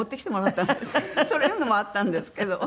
そういうのもあったんですけど。